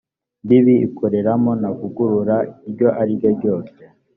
mbibi ikoreramo nta vangura iryo ari ryo ryose